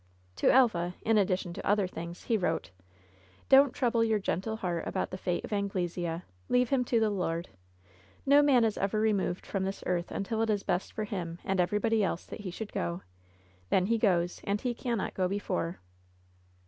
To Elva, in addition to other things, he wrote : "Don't trouble your gentle heart about the fate of Anglesea. Leave him to the Lord. No man is ever removed from this earth until it is best for him and everybody else that he should go. Then he goes and he cannot go before."